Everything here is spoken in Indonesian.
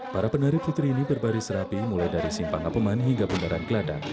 para penari putri ini berbaris rapi mulai dari simpang apeman hingga pendaran kelada